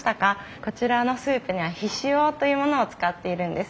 こちらのスープには醤というものを使っているんです。